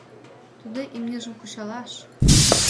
Тудо имньыжым кучалаш